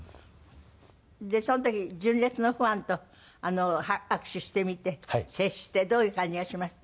でその時純烈のファンと握手してみて接してどういう感じがしました？